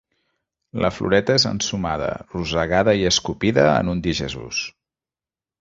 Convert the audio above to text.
La floreta és ensumada, rosegada i escopida en un dir Jesús.